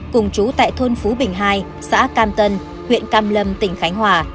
cùng chú tại thôn phú bình hai xã cam tân huyện cam lâm tỉnh khánh hòa